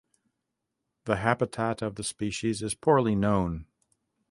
The habitat of the species is poorly known.